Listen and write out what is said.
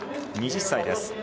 ２０歳。